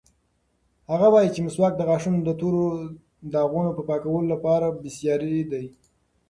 هغه وایي چې مسواک د غاښونو د تورو داغونو د پاکولو لپاره بېساری دی.